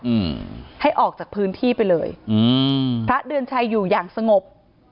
อืมให้ออกจากพื้นที่ไปเลยอืมพระเดือนชัยอยู่อย่างสงบ